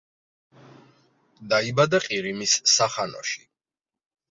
დაიბადა ყირიმის სახანოში.